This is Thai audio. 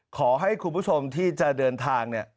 ขอให้คุณผู้ชมที่จะเดินทางเนี่ย